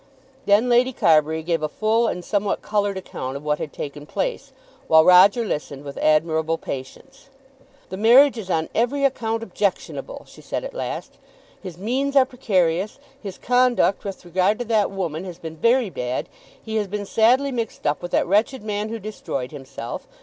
Then Lady Carbury gave a full and somewhat coloured account of what had taken place, while Roger listened with admirable patience. "The marriage is on every account objectionable," she said at last. "His means are precarious. His conduct with regard to that woman has been very bad. He has been sadly mixed up with that wretched man who destroyed himself.